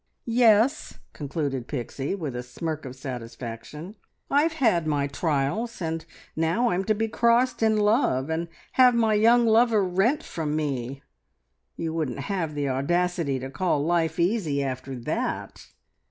Yes," concluded Pixie, with a smirk of satisfaction, "I've had my trials, and now I'm to be crossed in love, and have my young lover rent from me. ... You couldn't have the audacity to call life easy after that!"